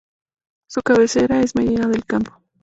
Su cabecera es Medina del Campo.